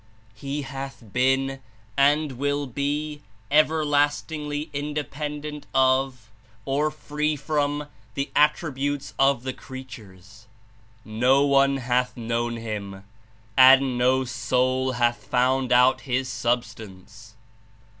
He hath been, and will be everlastingly Independent of (or free from) the at tributes of the creatures; no one hath known Him, and on soul hath found out His Substance.